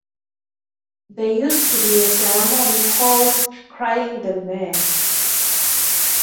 There used to be a ceremony called "crying the mare".